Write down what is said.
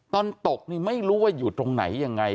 ตอนตกนี่ไม่รู้ว่าอยู่ตรงไหนยังไง